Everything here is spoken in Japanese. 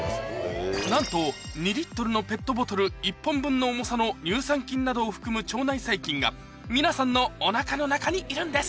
なんと２リットルのペットボトル１本分の重さの乳酸菌などを含む腸内細菌が皆さんのお腹の中にいるんです